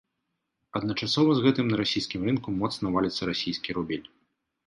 Адначасова з гэтым на расійскім рынку моцна валіцца расійскі рубель.